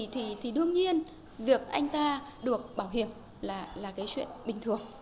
thì đương nhiên việc anh ta được bảo hiểm là cái chuyện bình thường